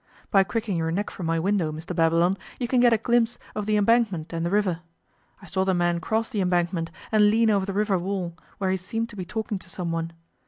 By cricking your neck from my window, Mr Babylon, you can get a glimpse of the Embankment and the river. I saw the man cross the Embankment, and lean over the river wall, where he seemed to be talking to some one.